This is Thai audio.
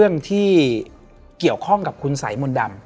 และวันนี้แขกรับเชิญที่จะมาเชิญที่เรา